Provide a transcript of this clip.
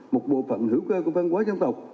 một bộ phận hữu cơ của văn hóa dân tộc